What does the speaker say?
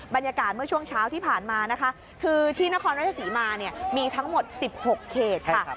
บรรยากาศเมื่อช่วงเช้าที่ผ่านมานะคะคือที่นครราชศรีมาเนี่ยมีทั้งหมด๑๖เขตค่ะ